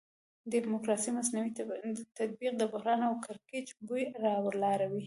د ډیموکراسي مصنوعي تطبیق د بحران او کړکېچ بوی راولاړوي.